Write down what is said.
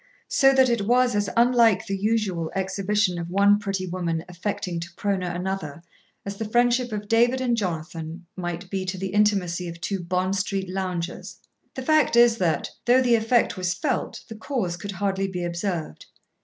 So that it was as unlike the usual exhibition of one pretty woman affecting to proner another as the friendship of David and Jonathan might be to the intimacy of two Bond Street loungers. The fact is that, though the effect was felt, the cause could hardly be observed.